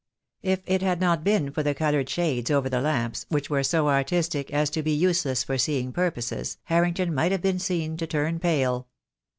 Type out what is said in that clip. If it had not been for the coloured shades over the lamps, which were so artistic as to be useless for seeing purposes, Harrington might have been seen to turn pale.